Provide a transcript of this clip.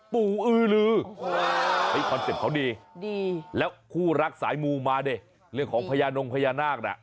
เป็นลูกคอเสียงหน้าสิ่ง